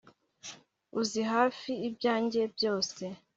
Uzi hafi ibyanjye byose